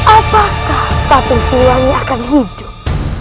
apakah patung sinuangnya akan hidup